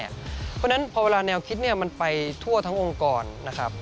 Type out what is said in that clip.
เพราะฉะนั้นพอเวลาแนวคิดมันไปทั่วทั้งองค์กรนะครับ